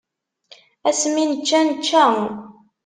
Asmi nečča, nečča.